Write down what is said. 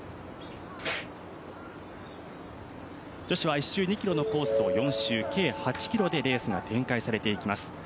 女子は１周２ｋｍのコースを４周計８ｋｍでレースが展開されます。